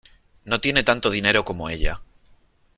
No tiene tanto dinero como ella.